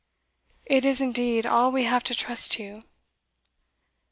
"It is indeed all we have to trust to."